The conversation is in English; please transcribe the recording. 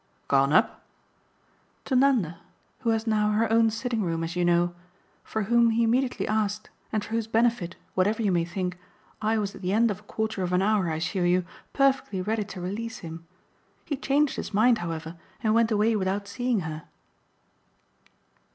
"'Gone up'?" "To Nanda, who has now her own sitting room, as you know; for whom he immediately asked and for whose benefit, whatever you may think, I was at the end of a quarter of an hour, I assure you, perfectly ready to release him. He changed his mind, however, and went away without seeing her."